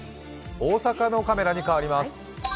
大阪のカメラに変わります。